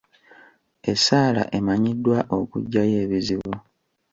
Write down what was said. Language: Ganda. Essaala emanyiddwa okugyawo ebizubu.